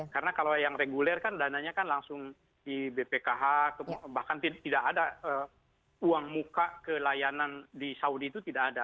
karena kalau yang reguler kan dananya kan langsung di bpkh bahkan tidak ada uang muka kelayanan di saudi itu tidak ada